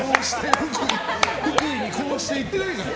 福井に持って行っていないから！